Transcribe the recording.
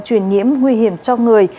truyền nhiễm nguy hiểm cho người